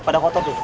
pada kota tuh